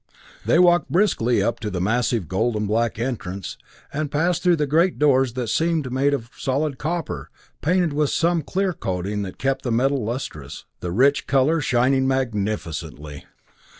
They walked briskly up to the massive gold and black entrance, and passed through the great doors that seemed made of solid copper, painted with some clear coating that kept the metal lustrous, the rich color shining magnificently.